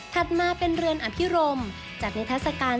ถัดมาเป็นเรือนอภิรมจากนิทธิศการ